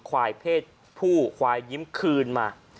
ควายเพศผู้ควายยิ้มคืนมา